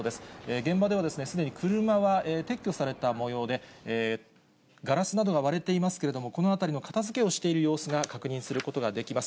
現場ではすでに車は撤去されたもようで、ガラスなどが割れていますけれども、この辺りの片づけをしている様子が確認することができます。